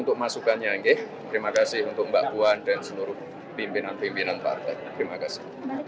terima kasih untuk mbak puan dan seluruh pimpinan pimpinan partai